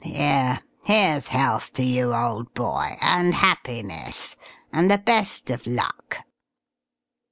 Here, here's health to you, old boy, and happiness, and the best of luck."